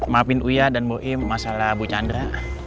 maafin uya dan bu im masalah bu chandra